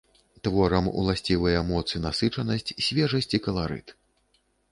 Творам уласцівыя моц і насычанасць, свежасць і каларыт.